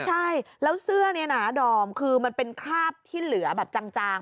ใช่แล้วเสื้อนี้นะดอมคือมันเป็นคราบที่เหลือแบบจาง